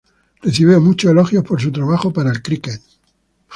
Recibió muchos elogios por su trabajo para el críquet.